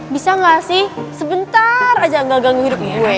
bisa nggak sih sebentar aja gak ganggu hidup gue